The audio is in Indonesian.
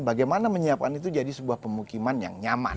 bagaimana menyiapkan itu jadi sebuah pemukiman yang nyaman